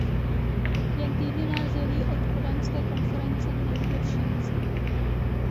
Jen týdny nás dělí od kodaňské konference, největší výzvy.